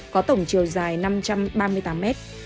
có tổng chiều dài năm trăm ba mươi tám mét